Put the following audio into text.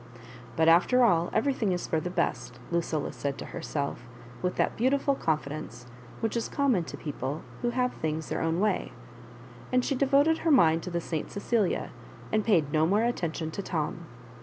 " But, after all, every thing is for the best," Lucilla said to herself, with that beautiful confidence which is common to people who have things their own way ; and she devoted her mind to the St Cecilia, and paid no more attention to Tom.